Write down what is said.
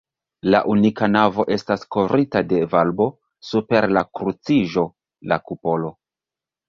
La unika navo estas kovrita de volbo; super la kruciĝo, la kupolo.